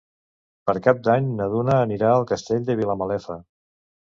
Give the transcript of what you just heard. Per Cap d'Any na Duna anirà al Castell de Vilamalefa.